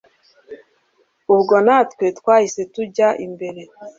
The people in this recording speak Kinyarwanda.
ubwo natwe twahise tujya imbere